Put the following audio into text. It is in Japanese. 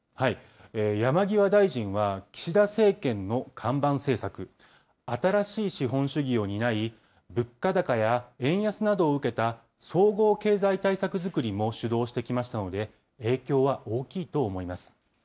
山際大臣は、岸田政権の看板政策、新しい資本主義を担い、物価高や円安などを受けた総合経済対策作りも主導してきましたので、影響は大きいと思います。